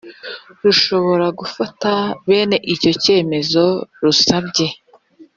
rushobora gufata bene icyo cyemezo rusabye